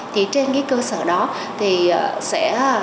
thì trên cái cơ sở đó thì sẽ